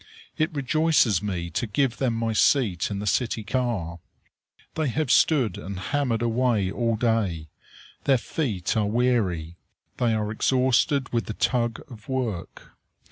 It rejoices me to give them my seat in the city car. They have stood and hammered away all day. Their feet are weary. They are exhausted with the tug of work.